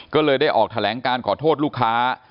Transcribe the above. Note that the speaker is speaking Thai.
ก็เลยได้ออกแถลงการขอโทษลูกค้า